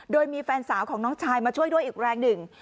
โดยมีแฟนสาวของน้องชายมาช่วยด้วยอีกแรงหนึ่ง